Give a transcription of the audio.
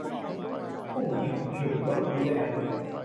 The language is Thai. ตุ้ง ฉึก ฉึก รสดีด้วยนะ